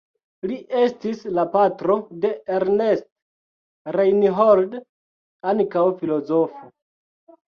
Li estis la patro de Ernst Reinhold, ankaŭ filozofo.